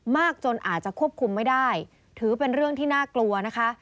มากจนอาจจะควบคุมไม่ได้ถือเป็นเรื่องที่น่ากลัวนะคะ